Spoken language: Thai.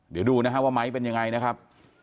เดี๋ยวดูนะฮะว่าไม้เป็นยังไงนะครับ